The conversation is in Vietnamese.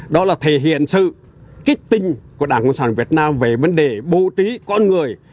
đó là thể hiện sự kích tinh của đảng cộng sản việt nam về vấn đề bưu trí con người